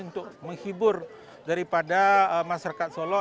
untuk menghibur daripada masyarakat solo